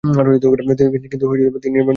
কিন্তু তিনি নির্বাচিত হননি।